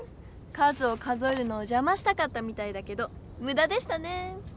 数を数えるのをじゃましたかったみたいだけどむだでしたねぇ！